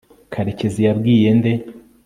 karekezi yabwiye nde